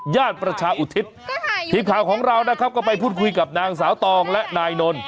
ย่านประชาอุทิศของเราก็ไปพูดคุยกับนางสาวตองและนายนน